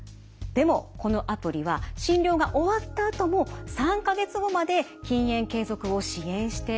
でもこのアプリは診療が終わったあとも３か月後まで禁煙継続を支援してくれるんです。